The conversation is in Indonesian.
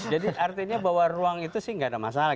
jadi artinya bahwa ruang itu sih tidak ada masalah